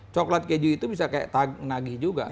coklat keju itu bisa kayak nagih juga